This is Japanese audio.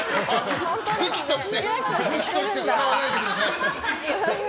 武器として使わないでください。